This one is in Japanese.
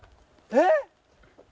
えっ！？